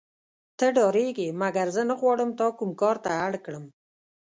ته ډارېږې مګر زه نه غواړم تا کوم کار ته اړ کړم.